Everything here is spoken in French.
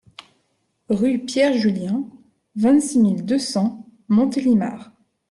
Rue Pierre Julien, vingt-six mille deux cents Montélimar